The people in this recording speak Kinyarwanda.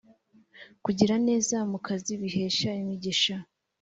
kugira ineza mu kazi bihesha imigisha